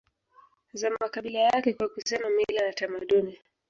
za makabila yake kwa kusema mila na tamaduni